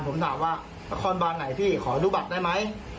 ผมถามว่านครบานไหนพี่ขออนุบัตรได้ไหม